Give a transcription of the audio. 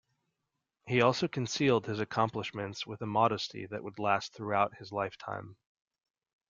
He also concealed his accomplishments with a modesty that would last throughout his lifetime.